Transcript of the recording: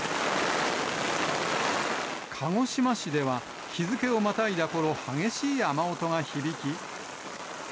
鹿児島市では、日付をまたいだころ、激しい雨音が響き。